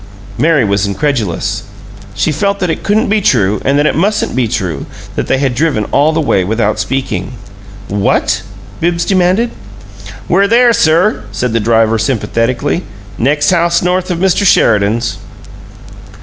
Mary was incredulous; she felt that it couldn't be true and that it mustn't be true that they had driven all the way without speaking. "What?" Bibbs demanded. "We're there, sir," said the driver, sympathetically. "Next house north of Mr. Sheridan's."